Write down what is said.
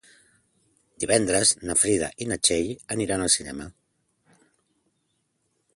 Divendres na Frida i na Txell aniran al cinema.